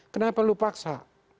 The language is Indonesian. kenapa lo paksa